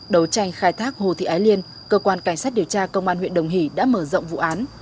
đấu tranh khai thác hồ thị ái liên cơ quan cảnh sát điều tra công an huyện đồng hỷ đã mở rộng vụ án